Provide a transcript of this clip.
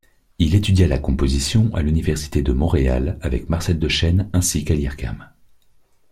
Il étudia la composition à l'Université de Montréal avec Marcelle Deschenes, ainsi qu'à l'Ircam.